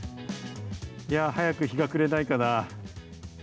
早く日が暮れないかな。